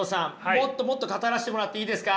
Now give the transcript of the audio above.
もっともっと語らせてもらっていいですか。